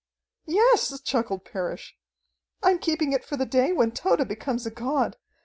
"Yes!" chuckled Parrish. "I'm keeping it for the day when Tode becomes a god.